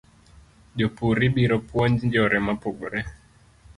Jopur ibiro puonj yore mopogore